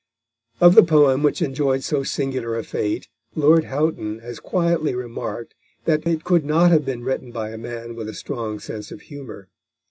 Of the poem which enjoyed so singular a fate, Lord Houghton has quietly remarked that it could not have been written by a man with a strong sense of humour.